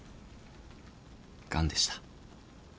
がんでした。